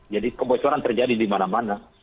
jadi kebocoran terjadi dimana mana